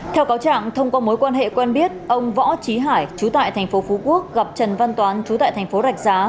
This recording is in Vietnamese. theo cáo trạng thông qua mối quan hệ quen biết ông võ trí hải chú tại thành phố phú quốc gặp trần văn toán chú tại thành phố rạch giá